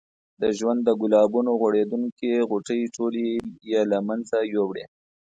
د ژوند د ګلابونو غوړېدونکې غوټۍ ټولې یې له منځه یوړې.